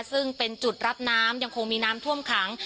ซึ่งเป็นจุดรับน้ำยังคงมีน้ำท่วมขัง